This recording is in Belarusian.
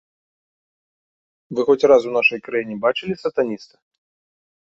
Вы хоць раз у нашай краіне бачылі сатаніста?